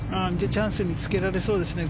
チャンスにつけられそうですね。